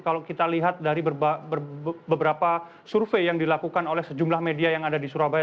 kalau kita lihat dari beberapa survei yang dilakukan oleh sejumlah media yang ada di surabaya